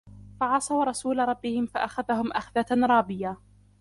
فعصوا رسول ربهم فأخذهم أخذة رابية